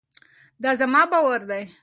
دا زما باور دی.